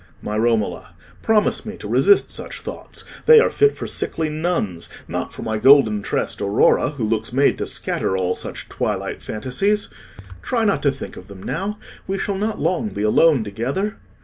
"My Romola, promise me to resist such thoughts; they are fit for sickly nuns, not for my golden tressed Aurora, who looks made to scatter all such twilight fantasies. Try not to think of them now; we shall not long be alone together."